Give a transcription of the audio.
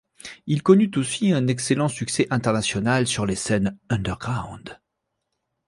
Il connut aussi un excellent succès international sur les scènes underground.